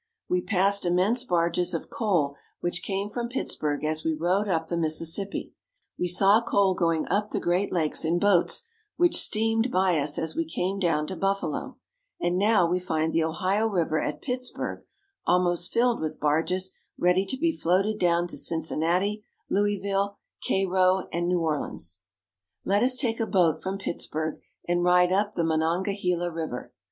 We passed immense barges of coal which came from Pittsburg as we rode up the Mississippi ; we saw coal going up the Great Lakes in boats which steamed by us as we came down to Buffalo ; and now we find the Ohio River at Pittsburg almost filled with barges ready to be floated down to Cincinnati, Louisville, Cairo, and New Orleans. Let us take a boat from Pittsburg, and ride up the Monongahela River.